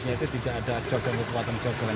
ini kan memang di bantaran kali